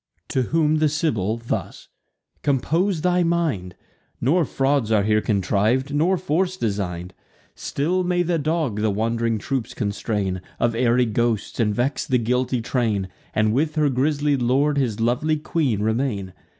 To whom the Sibyl thus: "Compose thy mind; Nor frauds are here contriv'd, nor force design'd. Still may the dog the wand'ring troops constrain Of airy ghosts, and vex the guilty train, And with her grisly lord his lovely queen remain.